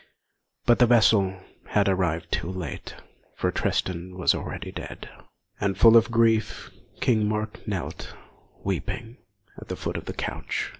But the vessel had arrived too late, for Tristan was already dead; and full of grief, King Mark knelt, weeping, at the foot of the couch.